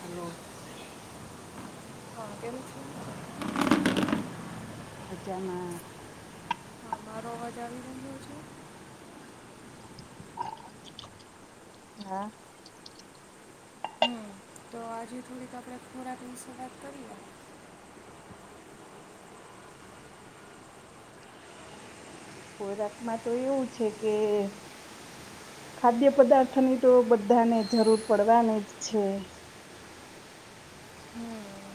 Hello, હા કે શું? મચમાં હા, મારો અવાજ આવી રહ્યો છે? હા, હમ તો આજે થોડીક આપડે ખોરાક વિશે વાત કરીએ, ખોરાક માં તો એવું છે, કે ખાદ્ય પદાર્થની તો બધાને જરૂર પડવાની જ છે. હમ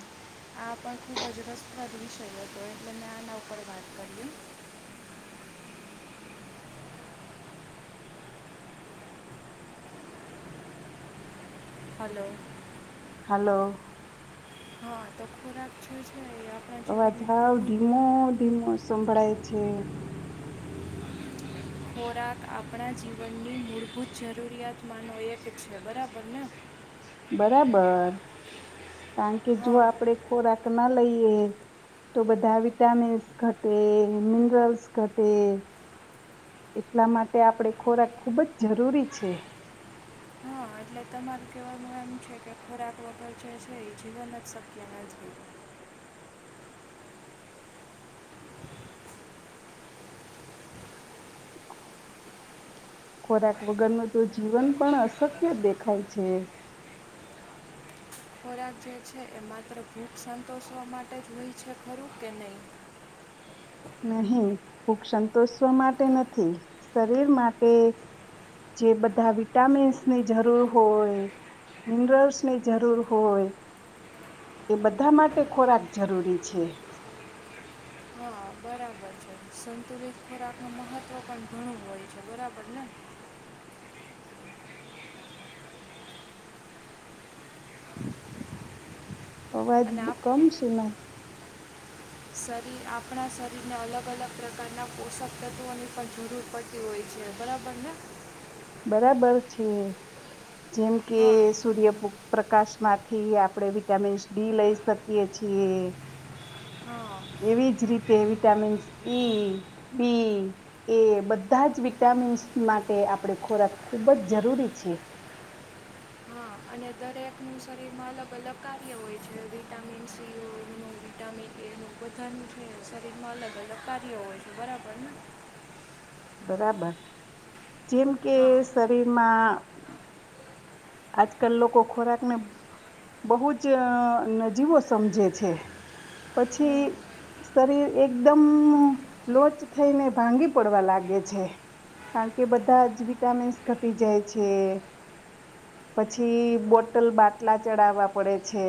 આ પણ ખુબ જ રસ પ્રગ વિષય હતો એટલે મેં આના ઉપર વાત કરી, એમ હલો, હલો, હા, તો ખોરા છે જ અવાજાવ ધીમો ધીમો સંભળાય છે, ખોરાક આપણા જીવનની મૂળભૂત જરૂરિયાતમાંનો એક છે, બરાબર ને બરાબર કારણ કે, જો હા આપડે ખોરાક ન લઈએ, તો બધા વિટામિન્સ ઘટે મિનરલ્સ ઘટે એટલા માટે આપણે ખોરાક ખૂબ જ જરૂરી છે, હા એટલે તમારું કેવ મા એમ છે, કે ખોરાક વગર જે છે એ જીવન જ શક્ય નથી, જ ખોરાક વગરનું તો જીવન પણ અશક્ય દેખાય છે. ખોરાક જે છે, એ માત્ર ભૂખ સંતોષવા માટે જ હોય છે, ખરું કે નહીં? નહીં ભૂખ સંતોષવા માટે નથી શરીર માટે જે બધા વિટામિન્સની જરૂર હોય, મિનરલ્સની જરૂર હોય એ બધા માટે ખોરાક જરૂરી છે. હા બરાબર છે સંતુલિત ખોરાક ન મહત્વ પણ ઘણું હોય છે, બરાબર ને? [inaudible] અવાજ અને આપ કમ સુનાય શરીર આપણા શરીરને અલગ અલગ પ્રકારના પોષક તત્વોની પણ જરૂર પડતી હોય છે, બરાબર ને બરાબર છે જેમ કે હા સૂર્યભોગ પ્રકાશ માંથી આપણે વિટામિન્સ ડી લઈ શકીએ છીએ, હા એવીજ રીતે વિટામિન્સ ઈ બી એ બધા જ વિટામિન્સ માટે આપડે ખોરાક ખૂબ જ જરૂરી છે, હા અને દરેકનું શરીરમાં અલગ અલગ કાર્ય હોય છે, વિટામિન સીનું વિટામિન એનું બધાનું છે શરીરમાં અલગ અલગ કાર્ય હોય છે, બરાબરને બરાબર જેમ કે હા શરીરમાં આજકાલ લોકો ખોરાકને બહુ જ નજીવો સમજે છે પછી હમ શરીર એકદમ લોચ થઈને ભાંગી પડવા લાગે કારણ કે બધા જ વિટામિન્સ ઘટી જાય છે પછી બોટલ બાટલા ચડાવવા પડે છે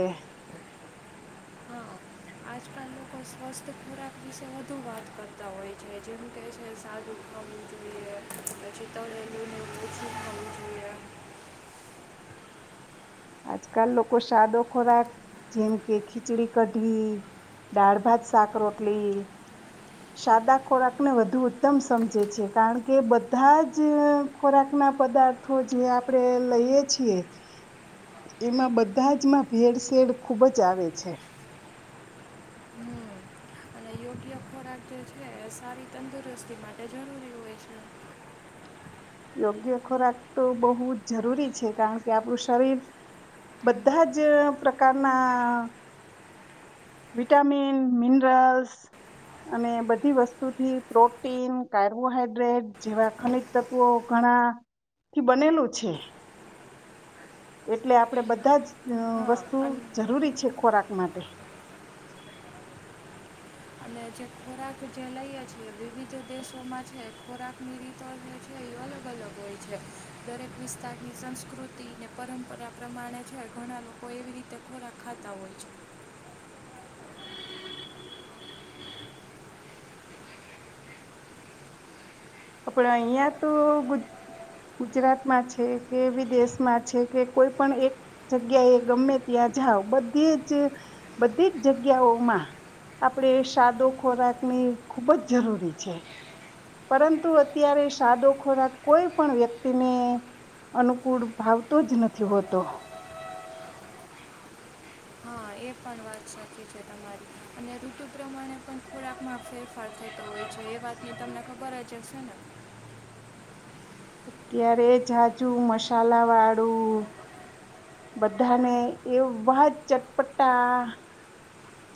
હા આજકાલ લોકો સ્વાસ્થ્ય ખોરાક વિશે વધુ વાત કરતા હોય છે જેમ કહે છે સાદુ ખાવું જોઈએ પછી તળલીું ઓછું ખાવું જોઈએ આજકાલ લોકો સાદો ખોરાક જેમ કે ખીચડી કઢી દાળ ભાત શાક રોટલી સાદા ખોરાકને વધુ ઉત્તમ સમજે છે કારણ કે બધા જ ખોરાક ના પદાર્થો જે આપણે લઈએ છીએ એમાં બધા જમાં ભેળસેેળ ખુબ જ આવે છે હમ અને યોગ્ય ખોરાક જે છે સારી તંદુરસ્તી માટે જરૂરી હોય છે યોગ્ય ખોરાક તો બહુ જ જરૂરી છે કારણ કે આપણું શરીર બધા જ પ્રકારના વિટામિન મિનરલ્સ અને બધી વસ્તુથી પ્રોટીન કાર્બોહાઈડ્રેટ જેવા ખનજ તત્વો ઘણાથી બનેલું છે એટલે આપડે બધા જ અ હા વસ્તુ અને જરૂરી છે ખોરાક માટે અને જે ખોરાક જે લઈએ છી એ વિવિધ દેશોમાં છે ખોરાકની રીતો જે છે એ અલગ અલગ હોય છે દરેક વિસ્તારની સંસ્કૃતિ ને પરંપરા પ્રમાણે છે ઘણા લોકો એવી રીતે ખોરાક ખાતા હોય છે આપ અહિયાં તો ગુજરાતમાં છે કે વિદેશમાં છે કે કોઈ પણ એક જગ્યા એ ગમે ત્યાં જઓ બધી જ બધી જ જગ્યાઓમાં આપણેે સાદો ખોરાકની ખુબ જ જરૂરી છે પરંતુ અત્યારે સાદો ખોરાક કોઈ પણ વ્યક્તિને અનુકૂળ ભાવતો જ નથી હોતો હા એ પણ વાત સાચી છે તમારી અને ઋતુ પ્રમાણે પણ ખોરાક માં ફેરફાર થતો હોય છે એ વાતની તમને ખબર જ જ હશે ને અત્યારે જાજુ મસાલા વાળું બધાને એવા જ ચટપટા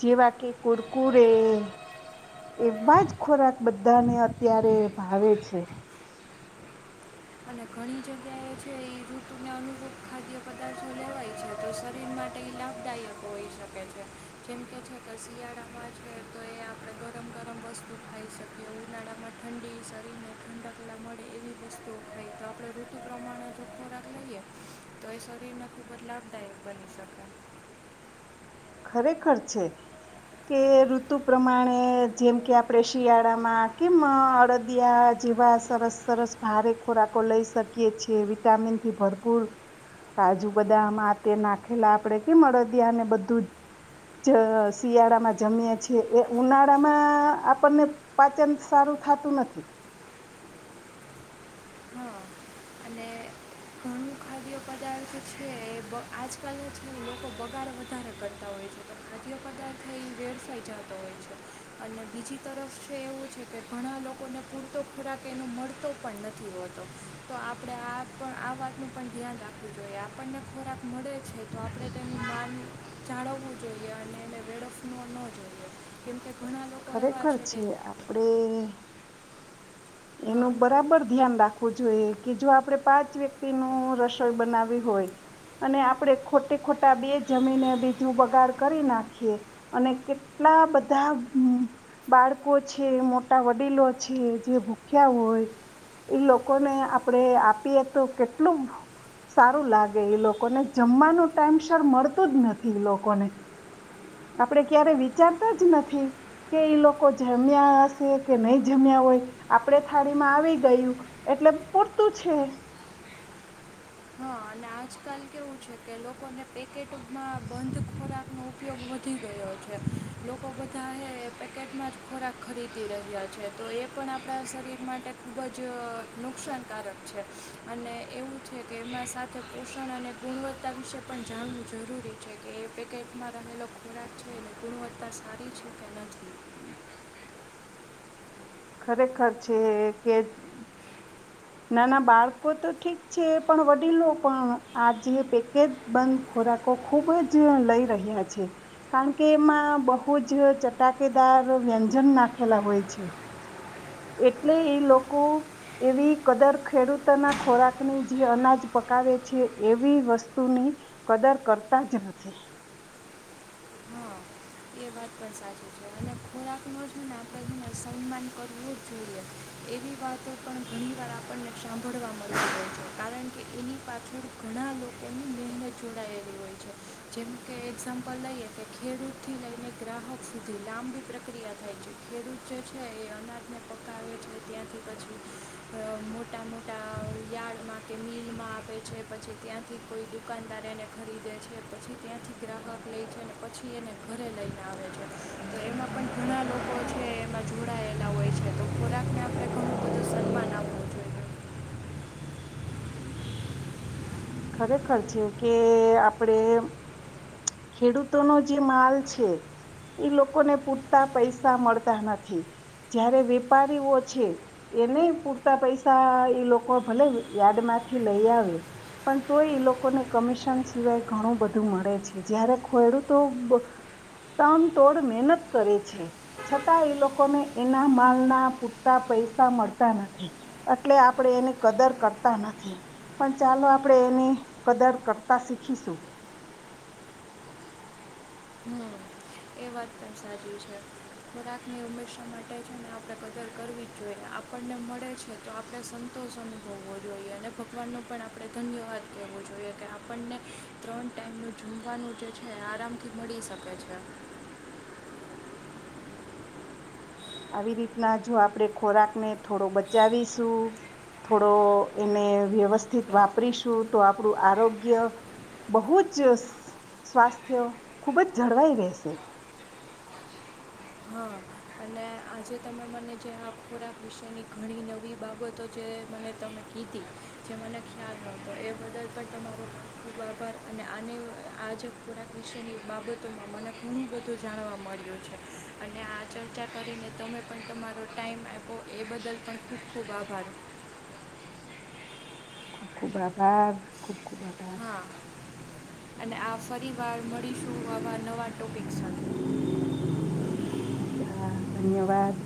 જેવા કે કુરકુરે એવા જ ખોરાક બધાને અત્યારે ભાવે છે અને ઘણી જગ્યા એ છે એ રૂતુને અનુકૂળ ખાદ્ય પદાર્થો લેવાય છે તો શરીર માં માટે લાભદાયક હોઈ શકે છે જેમ કે છે કે શિયાળામાં છે તો એ આપણે ગરમ ગરમ વસ્તુ ખાઈ શકીએ ઉનાળામાં ઠંડી શરીરને ઠંડકલા મળે એવી વસ્તુ તો આપણે ઋતુ પ્રમાણે જો ખોરાક લઈએ તો એ શરીર ને ખુબ જ લાભદાયક બની શકે ખરેખર છે કે ઋતુ પ્રમાણે જેમ કે આપણે શિયાળામાં કેમ અડદિયા જેવા સરસ સરસ ભારે ખોરાકો લઈ શકીએ છીએ વિટામિનથી ભરપૂર કાજુ બદામ આ તે નાખેલા આપણે કેમ અડદિયાને બધું જ જ શિયાળામાં જમીય છીએ એ ઉનાળામાં આપણને પાચન સારું થતું નથી હા અને ઘણું ખાદ્ય પદાર્થ છે એ આજકાલનો છે લોકો બગાડ વધારે કરતા હોય છે તો ખાદ્ય પદાર્થ એ વેરસાઈ જતો હોય છે અને બીજી તરફ છે એવું છે કે ઘણા લોકોને પૂરતો ખોરાક એનો મળતો પણ નથી હોતો તો આપણે આ પણ આ વાતનું પણ ધ્યાન રાખવું જોઈએ આપણને ખોરાક મળે છે તો આપણે તેની માન જાળવવું જોઈએ અને એને વેળફવ ન જોઈએ કેમકે ખરેખર છે આપડે હા એનું બરાબર ધ્યાન રાખ વું જોઈએ કે જો આપડણે પાંચ વ્યક્તિ નું રસોઈ બનાવી હોય અને આપણેે ખોટે ખોટા બે જમીને બીજું બગાડ કરી નાખીએ અને કેટલા બધા બાળકો છે મોટા વડીલો છે જે ્યા હોય ઈ લોકોને આપડણે આપીએ તો કેટલું સારું લાગે લોકોને જમવાનું ટાઈમસર મળતું જ નથી લોકોને આપડે ક્યારે વિચારતા જ નથી કે ઈ લોકો જમ્યા હશે કે નહી જમ્યા હોય આપડે થાળી માં આવી ગયું એટલે પૂરતું છે હા અને આજકાલ કેવું છે કે લોકોને પેકેટમાં બંધ ખોરાકનો ઉપયોગ વધી ગયો છે લોકો બધા પેકેટમાં જ ખોરાક ખરીદી રહ્યા છે તો એ પણ આપણા શરીર માટે ખૂબ જ નુકસાનકારક છે અને એવું છે કે એમાં સારા તે પોષણ અને ગુણવત્તા વિશે પણ જાણવું જરૂરી છે કે એ પેકેટમાં રહેલો ખોરાક છે અને ગુણવત્તા સારી છે કે નથી હમ ખરેખર છે કે નાના બાળકો તો ઠીક છે પણ વડીલો પણ આજે પેકેજ બંધ ખોરાકો ખુબ જ લઈ રહ્યા છે કારણ કે એમાં બહુ જ ચટાકેદાર વ્યંજન નાખેલા હોય છે એટલે એ લોકો એવી કદર ખેડૂતોના ખોરાકની જે અનાજ પકાવે છે એવી વસ્તુની કદર કરતા જ નથી હા એ વાત પણ સાચી છે અને ખોરાકનું જ ને આપણે એને સન્માન કરવું જોઈએ એવી વાતો પણ ઘણી વાર આપણને સાંભળવા મળી હોય છે કારણ કે એની પાછળ ઘણા લોકોની મહેનત જોડાયેલી હોય છે જેમ કે એક્ઝામ્પલ લઈએ કે ખેડૂતથી લઈને ગ્રાહક સુધી લાંબી પ્રક્રિયા થાય છે ખેડૂત જે છે એ અનાજને પકાવે છે ત્યાંથી પછી મોટા મોટા યાર્ડમાં કે મિલમાં આપ છે પછી ત્યાંથી કોઈ દુકાનદાર એને ખરીદે છે પછી ત્યાંથી ગ્રાહક લે છે અને પછી એને ઘરે લઈ એ પણ ઘણા લોકો છે એ જોડાયેલા હોય છે તો ખોરાકને આપણે ઘણું બધું સન્માન આપવું જોઈએ ખરેખર છે કે આપણેે ખેડૂતોનો જે માલ છે એ લોકોને પૂરતા પૈસા મળતા નથી જયારે વેપારીઓ છે એને પૂરતા પૈસા એ લોકો ભલે યાર્ડ માંથી લઈ આવે પણને કમિશન સિવાય ઘણું બધું મળે છે જયારે ખેડૂતો તન તોડ મહેનત કરે છે છતાં એ લોકોને એના માલના પૂરતા પૈસા મળતા નથી એટલે આપણે એની કદર કરતા નથી પણ ચાલો આપણે એની કદર કરતા શીખીશું હમ એ વાત પણ સાચી છે ખોરાકની હંમેશા માટે છે ને આપણે કદર કરવી જ જોઈએ આપણને મળે છે તો આપણે સંતોષ અનુભવવો જોઈએ અને ભગવાન ન પણ આપણે ધન્યવાદ કેહેવો જોઈએ કે આપણને ત્રણ ટાઈમનું જમવાનું જે છે આરામ થી મળી શકે છે આવી રીતના જો આપણે ખોરાકને થોડો બચાવીશું થોડો એને વ્યવસ્થિત વાપરીશું તો આપણું આરોગ્ય બહુ જ સ્વાસ્થ્ય ખૂબ જ જળવાઈ રહેશે હા અને આજે તમે મને જે આ ખોરાક વિશેની ઘણી નવી બાબતો જે મને તમે કીધી જે મને ખ્યાલ નહોતો એ બદલ પણ તમારો ખૂબ આભાર અને આને આજે ખોરાક વિશેની બાબતોમાં મને ઘણું બધું જાણવા મળ્યું છે અને આ ચર્ચા કરીને તમે પણ તમારો ટાઈઇમ આપો એ બદલ પણ ખૂબ ખૂબ આભાર. ખૂબ ખૂબ અભાવ ખૂબ ખૂ ખ આભાર હા અને આ ફરી વાર મળીશું આવા નવા ટોપિક છે. ખબા ધન્યવાદ